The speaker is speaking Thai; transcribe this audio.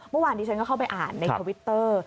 เมื่อวานนี้ฉันก็เข้าไปอ่านในทวิตเตอร์